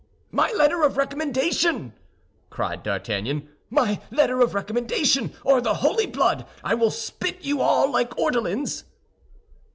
"My letter of recommendation!" cried D'Artagnan, "my letter of recommendation! or, the holy blood, I will spit you all like ortolans!"